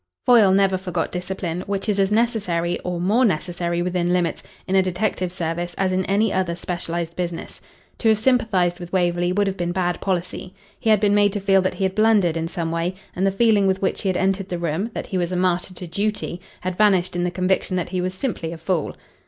Foyle never forgot discipline, which is as necessary, or more necessary within limits, in a detective service as in any other specialised business. To have sympathised with Waverley would have been bad policy. He had been made to feel that he had blundered in some way, and the feeling with which he had entered the room, that he was a martyr to duty, had vanished in the conviction that he was simply a fool.